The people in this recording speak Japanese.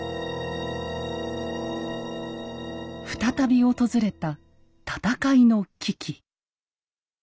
再び訪れた戦いの危機。